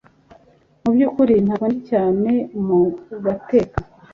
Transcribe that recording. Mubyukuri ntabwo ndi cyane mubateka